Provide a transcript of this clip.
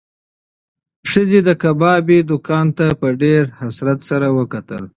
ښځې د کبابي دوکان ته په ډېر حسرت سره وکتل.